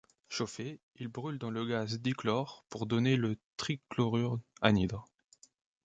Chauffé, il brûle dans le gaz dichlore pour donner le trichlorure anhydre.